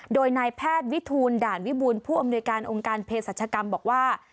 โดยนายแพทย์วิทูลด่านวิบูรณ์ผู้อำนวยการองค์การเพศรัชกรรมบอกว่า